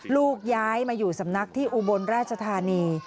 ลูกย้ายมาอยู่สำนักที่อุบลราชธานี